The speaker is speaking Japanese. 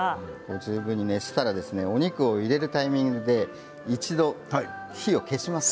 十分に熱したらお肉を入れるタイミングで一度、火を消します。